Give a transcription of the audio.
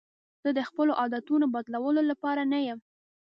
زه د خپلو عادتونو بدلولو لپاره نه یم.